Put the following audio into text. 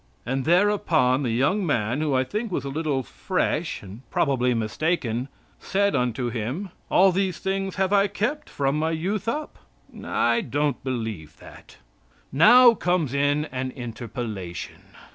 And thereupon the young man, who I think was a little "fresh," and probably mistaken, said unto Him: "All these things have I kept from my youth up." I don't believe that. Now comes in an interpolation.